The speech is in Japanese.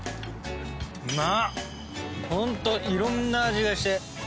ホントいろんな味がして。